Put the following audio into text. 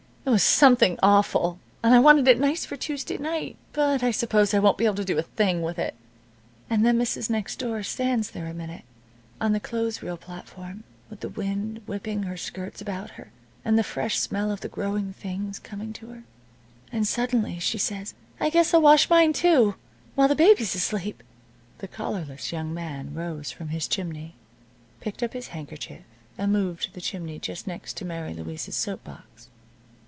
'It was something awful, and I wanted it nice for Tuesday night. But I suppose I won't be able to do a thing with it.' "And then Mrs. Next Door stands there a minute on the clothes reel platform, with the wind whipping her skirts about her, and the fresh smell of the growing things coming to her. And suddenly she says: 'I guess I'll wash mine too, while the baby's asleep.'" The collarless young man rose from his chimney, picked up his handkerchief, and moved to the chimney just next to Mary Louise's soap box.